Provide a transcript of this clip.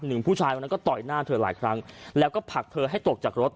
ผู้ชายวันนั้นก็ต่อยหน้าเธอหลายครั้งแล้วก็ผลักเธอให้ตกจากรถ